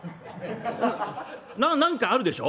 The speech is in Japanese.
「な何かあるでしょ？」。